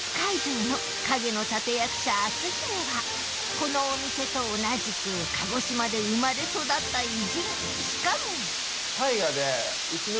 このお店と同じく鹿児島で生まれ育った偉人しかもあぁ！